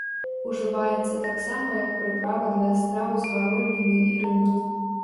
Ужываецца таксама як прыправа да страў з гародніны і рыбы.